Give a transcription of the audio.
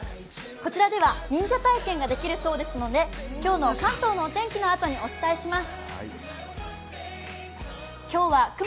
こちらでは忍者体験ができるそうですので、今日の関東のお天気の後にお伝えします。